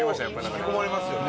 伊達：引き込まれますよね。